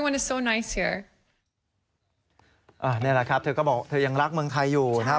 นี่แหละครับเธอก็บอกเธอยังรักเมืองไทยอยู่นะครับ